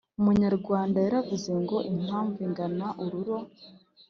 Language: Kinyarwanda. Umunyarwanda yaravuze ngo: «Impamvu ingana ururo».